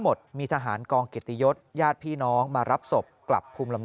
หมดมีทหารกองเกียรติยศญาติพี่น้องมารับศพกลับภูมิลำเ